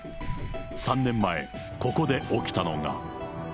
３年前、ここで起きたのが。